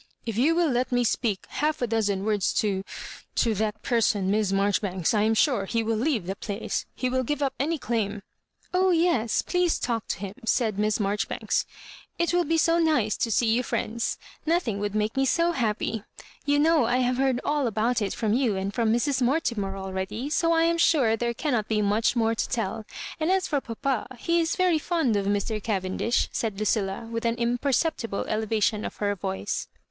If you will let roe speak half a dozen words to — to that person. Miss Mar joribanks, I am sure he will leave the place ; he will give up any claim "" Oh yes, please talk to liim," said Miss Mar joribanks, "it will be so nice to see you frienda Nothing would make me so happy. You know I have beard all about it from you and from Mra Mortimer already, so I am sure there cannot be much more to tell ; and as for papa, he is very fond of Mr. Cavendish," said Lucilla, with an im perceptible elevation of her voice.